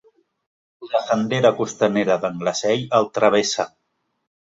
La sendera costanera d'Anglesey el travessa.